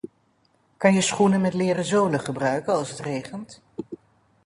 Kan je schoenen met leren zolen gebruiken als het regent?